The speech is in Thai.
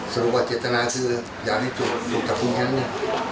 สุขภาพเจตนาคืออยากให้อยู่กับคุณครั้งนี้